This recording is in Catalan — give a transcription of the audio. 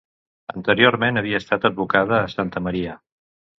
Anteriorment havia estat advocada a Santa Maria.